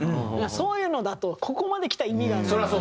そういうのだとここまで来た意味がないから。